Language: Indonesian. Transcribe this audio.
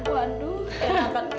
waduh enakan ini nya dong